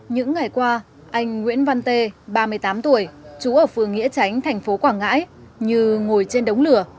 những ngày qua anh nguyễn văn tê ba mươi tám tuổi trú ở phường nghĩa tránh thành phố quảng ngãi như ngồi trên đống lửa